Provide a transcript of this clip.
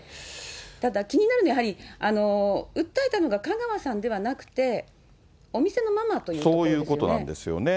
ただ気になるのは、やはり訴えたのが香川さんではなくて、お店のママということですよね。